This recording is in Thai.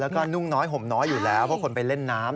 แล้วก็นุ่งน้อยห่มน้อยอยู่แล้วเพราะคนไปเล่นน้ำ